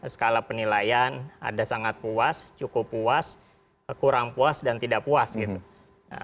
skala penilaian ada sangat puas cukup puas kurang puas dan tidak puas gitu